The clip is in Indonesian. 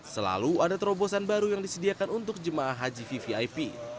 selalu ada terobosan baru yang disediakan untuk jemaah hgvvip